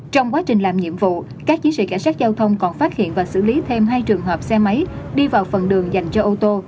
trong quá trình làm nhiệm vụ các chiến sĩ cảnh sát giao thông còn phát hiện và xử lý thêm hai trường hợp xe máy đi vào phần đường dành cho ô tô